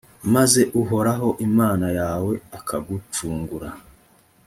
maze uhoraho imana yawe akagucungura;